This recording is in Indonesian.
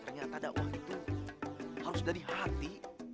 ternyata dakwah itu harus dari hati